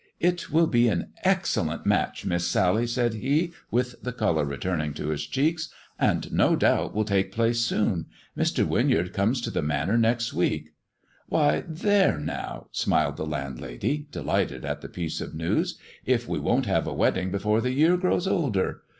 " It will be an excellent match. Mistress Sally," said he, with the colour returning to his cheeks, *' and, no doubt, 92 THE dwarf's chamber will take place soon. Mr. "Winyard comes to the Manor next week." " "Why, there now," smiled the landlady, delighted at the piece of news, " if we won't have a wedding before the year grows older!